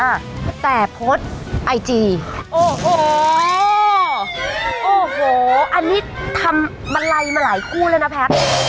อ่ะแต่โพสต์ไอจีโอ้โหโอ้โหอันนี้ทำมาลัยมาหลายคู่แล้วนะแพทย์